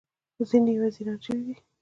ځینې یې وزیران شوي دي.